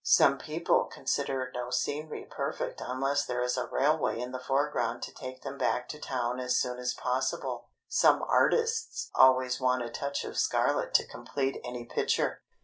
Some people consider no scenery perfect unless there is a railway in the foreground to take them back to town as soon as possible. Some artists always want a touch of scarlet to complete any picture.